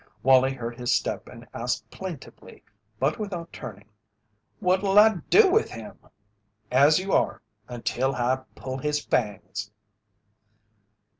Wallie heard his step and asked plaintively but without turning: "What'll I do with him?" "As you are, until I pull his fangs."